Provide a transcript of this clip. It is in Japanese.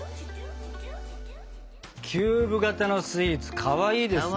キューブ型のスイーツかわいいですね。